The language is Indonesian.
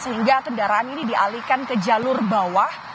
sehingga kendaraan ini dialihkan ke jalur bawah